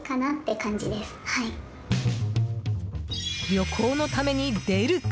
旅行のために、出るか？